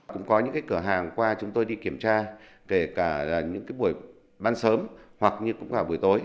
cũng có những cái cửa hàng qua chúng tôi đi kiểm tra kể cả là những buổi ban sớm hoặc như cũng cả buổi tối